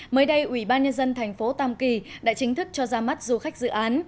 mới đây ủy ban nhân dân thành phố tam kỳ đã chính thức cho ra mắt du khách dự án